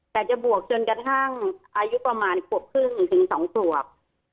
แต่จะบวกจนกระทั่งอายุประมาณขวบครึ่งถึง๒ขวบ